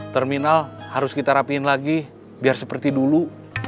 terminal harus kita rapiin lagi biar seperti dulu